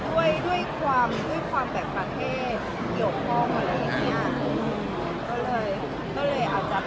แต่ด้วยความประเทศเกี่ยวพร่องอะไรแบบนี้